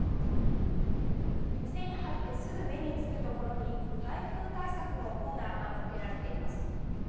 店に入ってすぐ目につくところに台風対策のコーナーが設けられています。